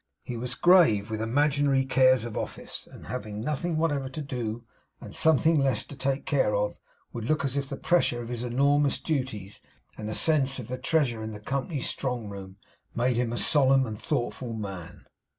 He was grave with imaginary cares of office; and having nothing whatever to do, and something less to take care of, would look as if the pressure of his numerous duties, and a sense of the treasure in the company's strong room, made him a solemn and a thoughtful man.